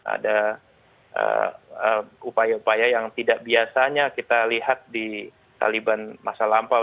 ada upaya upaya yang tidak biasanya kita lihat di taliban masa lampau